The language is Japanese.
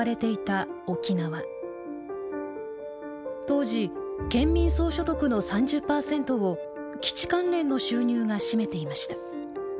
当時県民総所得の３０％を基地関連の収入が占めていました。